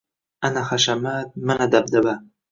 Ana hashamat, mana dabdaba